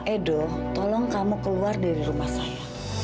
edo tolong kamu keluar dari rumah saya